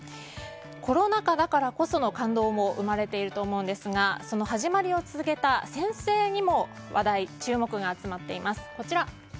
コロナ禍だからこその感動も生まれていると思いますがその始まりを告げた宣誓にも話題、注目が集まっています。